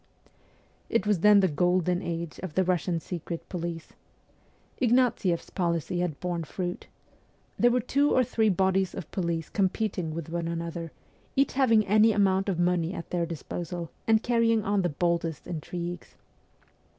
It was then the golden age of the Russian secret police. IgnatiefF s policy had borne fruit. There were two or three bodies of police competing with one another, each having any amount of money at their disposal, and carrying on the boldest intrigues.